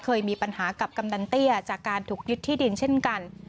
เคยมีปัญหากับกำนันเตี้ยจากการถูกยึดที่ดินเช่นกัน